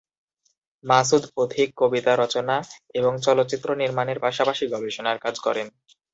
মাসুদ পথিক কবিতা রচনা এবং চলচ্চিত্র নির্মাণের পাশাপাশি গবেষণার কাজ করেন।